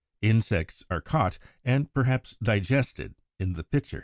Insects are caught, and perhaps digested, in the pitcher.